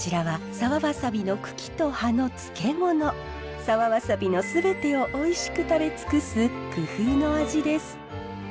沢ワサビの全てをおいしく食べ尽くす工夫の味です。